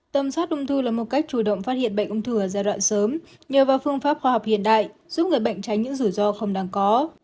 tâm soát ung thư là một cách chủ động phát hiện bệnh ung thư ở giai đoạn sớm nhờ vào phương pháp khoa học hiện đại giúp người bệnh tránh những rủi ro không đáng có